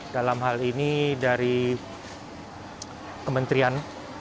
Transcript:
dalam hal ini dari kementerian